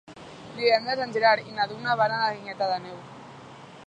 Divendres en Gerard i na Duna van a la Guingueta d'Àneu.